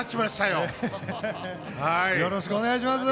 よろしくお願いします。